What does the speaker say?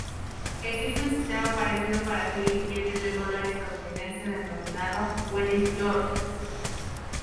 Existe un sistema parecido para seguir billetes de Dólar estadounidense, denominado Where's George?.